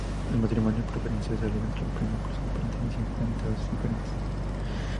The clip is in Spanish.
El matrimonio preferencial se realiza entre primos cruzados pertenecientes a mitades diferentes.